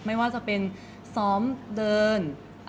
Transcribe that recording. ไม่ว่าจะเป็นซ้อมเดิน